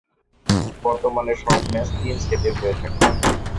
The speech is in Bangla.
বর্তমানে সব ম্যাচ তিন সেটের হয়ে থাকে।